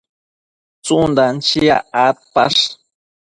tsundan chiac adpash?